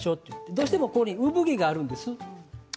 どうしても産毛があるんです。